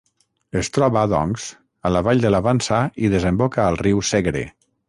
Es troba, doncs, a la vall de la Vansa i desemboca al riu Segre.